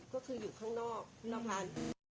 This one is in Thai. ก็คืออยู่ข้างนอกนอกร้าน